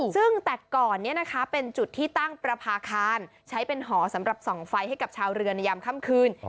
ซึ่งแต่ก่อนเป็นจุดที่ตั้งประพาคารใช้เป็นหอสำหรับส่องไฟให้กับชาวเรือในยามค่ำคืน